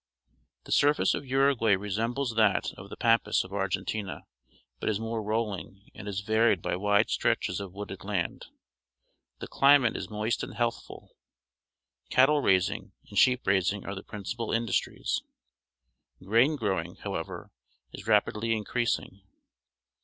— The surface of Uruguay resembles that of the pampas of Argentina, but is more roll ing and is varied by wide stretches of wooded land. The chmate is moist and healthful. Cattle raising and sheep raising are the principal industries. Grain growing, how ever, is rapidly increasing.